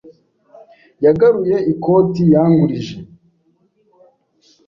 Yagaruye ikoti yangurije.